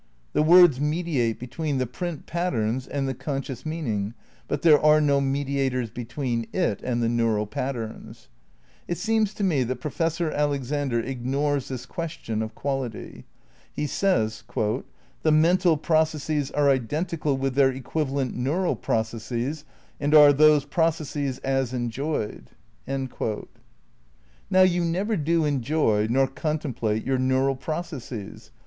The words mediate between the print patterns and the conscious meaning, but there are no mediators between it and the neural patterns. It seems to me that Professor Alexander ignores this question of quality. He says "The mental processes are identical with their equivalent neural processes and are those processes as enjoyed." ^ Now you never do enjoy (nor contemplate) your neural processes.